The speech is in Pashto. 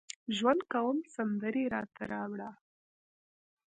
ژوند کوم سندرې راته راوړه